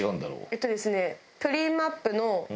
えっとですね。